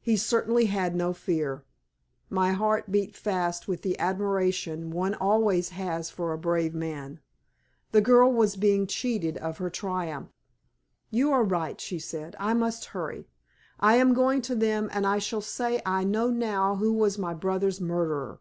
He certainly had no fear. My heart beat fast with the admiration one has always for a brave man. The girl was being cheated of her triumph. "You are right," she said, "I must hurry; I am going to them and I shall say I know now who was my brother's murderer!